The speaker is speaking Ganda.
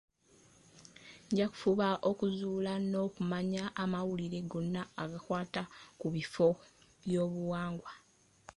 Nja kufuba okuzuula n'okumanya amawulire gonna agakwata ku bifo by'obuwangwa.